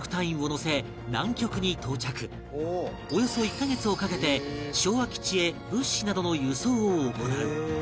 およそ１カ月をかけて昭和基地へ物資などの輸送を行う